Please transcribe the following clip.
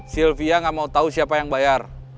sylvia gak mau tahu siapa yang bayar